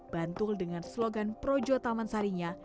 bantul dengan slogan projo taman sarinya